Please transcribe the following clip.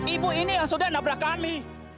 ibu ini yang sudah nabrak kami